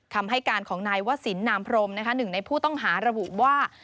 คำให้การของนายวศิลปนามพรมหนึ่งในผู้ต้องหาระบุว่า